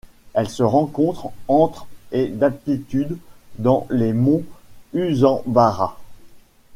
Elle se rencontre entre et d'altitude dans les monts Usambara.